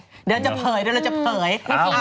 เดี๋ยวจะเผยเดี๋ยวเราจะเผย